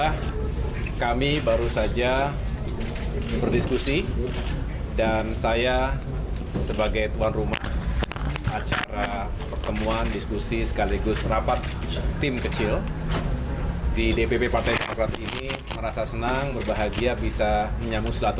hai ya kita lanjut lanjut kita lanjut